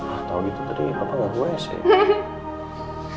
ah kalau gitu tadi papa gak boleh sih